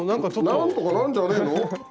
なんとかなるんじゃねぇの？